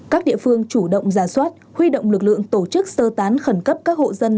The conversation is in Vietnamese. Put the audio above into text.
các địa phương chủ động giả soát huy động lực lượng tổ chức sơ tán khẩn cấp các hộ dân